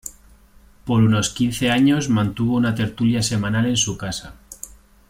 Por unos quince años mantuvo una tertulia semanal en su casa.